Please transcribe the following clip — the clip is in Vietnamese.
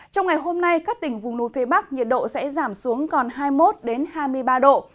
trong ngày hôm nay các tỉnh vùng núi phía bắc nhiệt độ sẽ giảm xuống còn hai mươi một hai mươi ba độ